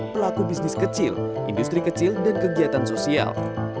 pelaku bisnis kecil industri kecil dan kegiatan sosial